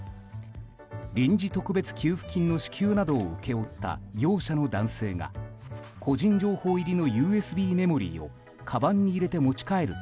臨時特別給付金の支給などを請け負った業者の男性が個人情報入りのＵＳＢメモリーをかばんに入れて持ち帰る